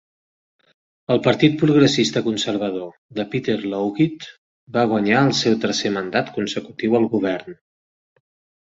El Partit Progressista Conservador de Peter Lougheed va guanyar el seu tercer mandat consecutiu al govern.